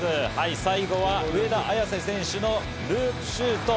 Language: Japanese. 最後は上田綺世選手のループシュート。